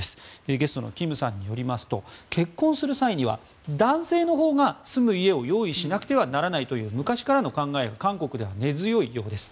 ゲストのキムさんによりますと結婚する際には男性のほうが住む家を用意しなくてはならないという昔からの考えが韓国では根強いようです。